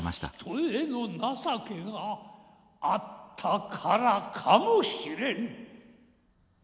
人への情けがあったからかもしれん。